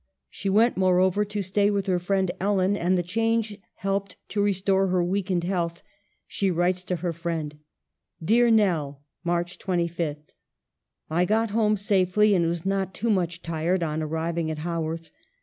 She went, moreover, to stay with her friend Ellen, and the change helped to restore her weakened health. She writes to her friend : "Dear Nell, "March 25. " I got home safely and was not too much tired on arriving at Haworth.